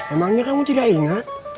emangnya kamu tidak ingat